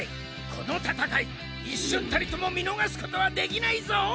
この戦い一瞬たりとも見逃すことはできないぞ！